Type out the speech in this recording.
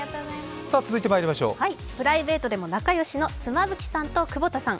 プライベートでも仲良しの妻夫木さんと窪田さん。